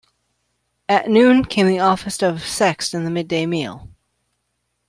At noon came the office of "Sext" and the midday meal.